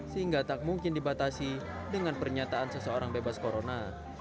sehingga tak mungkin dibatasi dengan pernyataan seseorang bebas corona